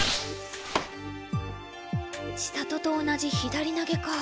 千里と同じ左投げか。